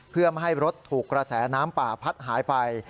เพื่อไม่ให้รถถูกกระแสน้ำป่าพัดหายไป